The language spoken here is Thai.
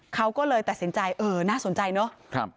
เขาก็เลยตัดสินใจเออน่าสนใจเนอะ